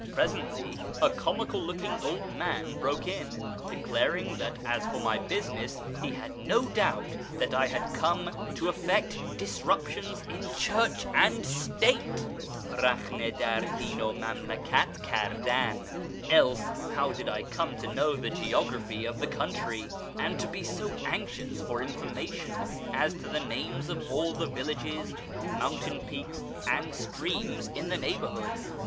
" Presently a comical looking old man broke in, declaring that as for my business, he had no doubt that I had come " to effect disruptions in Church and State " {raJclonS dar din It mamlakat kardan), else how did I come to know the geography of the country, and to be so anxious for information as to the names of all the villages, mountain j)eaks, and streams in the neighbourhood